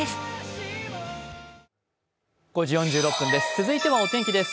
続いてはお天気です。